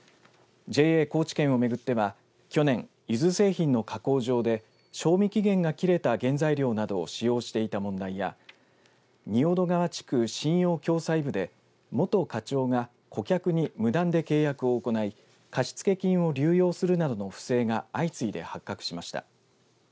ＪＡ高知県をめぐっては、去年ゆず製品の加工場で賞味期限が切れた原材料などを使用していた問題や仁淀川地区信用共済部で元課長が顧客に無断で契約を行い貸付金を利用するなどの不正が相次いで発覚しました。